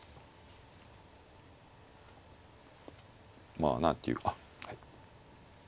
まあ何ていう。